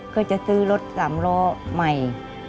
ก็จะซื้อรถสามล้อใหม่